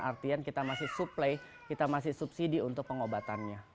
artian kita masih supply kita masih subsidi untuk pengobatannya